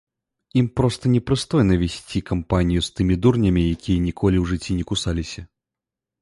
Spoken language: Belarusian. Ім проста непрыстойна весці кампанію з тымі дурнямі, якія ніколі ў жыцці не кусаліся.